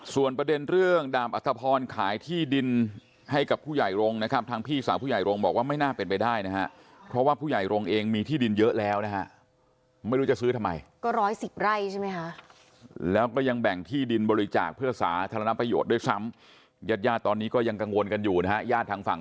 ส่วนประเด็นเรื่องดาบอัธพรขายที่ดินให้กับผู้ใหญ่รงค์นะครับทางพี่สาวผู้ใหญ่โรงบอกว่าไม่น่าเป็นไปได้นะฮะเพราะว่าผู้ใหญ่โรงเองมีที่ดินเยอะแล้วนะฮะไม่รู้จะซื้อทำไมก็ร้อยสิบไร่ใช่ไหมคะแล้วก็ยังแบ่งที่ดินบริจาคเพื่อสาธารณประโยชน์ด้วยซ้ำญาติญาติตอนนี้ก็ยังกังวลกันอยู่นะฮะญาติทางฝั่ง